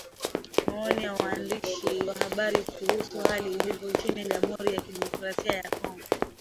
Maoni ya waandishi wa habari kuhusu hali ilivyo nchini Jamhuri ya kidemokrasia ya Kongo